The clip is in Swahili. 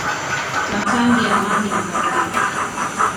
matangi ya maji na kadhalika